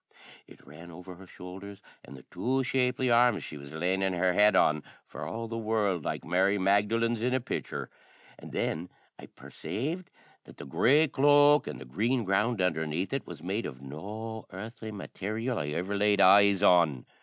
It ran over her showldhers and the two shapely arms she was lanin' her head on, for all the world like Mary Magdalen's in a picther; and then I persaved that the grey cloak and the green gownd undhernaith it was made of no earthly matarial I ever laid eyes on.